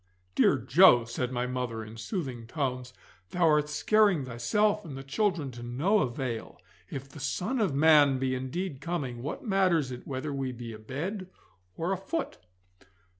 'Dear Joe,' said my mother, in soothing tones, 'thou art scaring thyself and the children to no avail. If the Son of Man be indeed coming, what matters it whether we be abed or afoot?